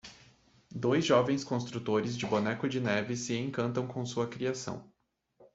Dois jovens construtores de Boneco de Neve se encantam com sua criação.